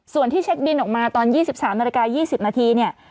ส่วนที่เช็คบินออกมาตอน๒๓นาฬิกา๒๐นาทีเนี่ย